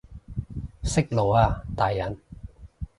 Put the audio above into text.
息怒啊大人